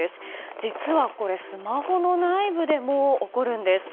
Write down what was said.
実はこれスマホの内部でも起こるんです。